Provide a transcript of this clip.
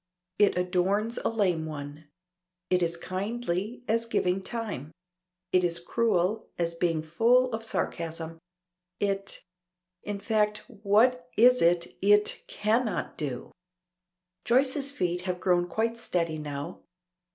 It adorns a lame one. It is kindly, as giving time. It is cruel, as being full of sarcasm. It In fact what is it it cannot do? Joyce's feet have grown quite steady now.